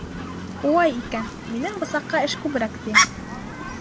— Улай икән, минең бысаҡҡа эш күберәк тейә.